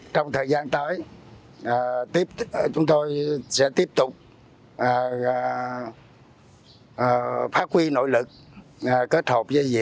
trong thời gian tới chúng tôi sẽ tiếp tục phát huy nội lực kết hợp với việc sử dụng